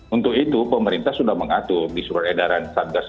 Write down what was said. untuk itu pemerintah sudah mengatur di surat edaran enam belas dua puluh lima